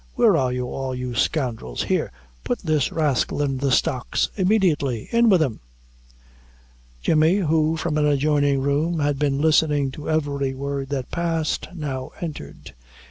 Where are you all, you scoundrels? Here, put this rascal in the stocks immediately! in with him!" Jemmy, who, from an adjoining room, had been listening to every word that passed, now entered.